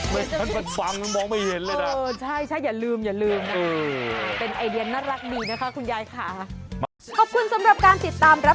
มันฟันฟังมองไม่เห็นเลยล่ะ